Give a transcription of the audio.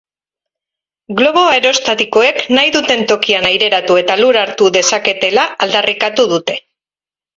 Globo aerostatikoek nahi duten tokian aireratu eta lur hartu dezaketela aldarrikatu dute.